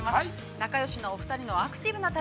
仲よしのお二人のアクティブな旅。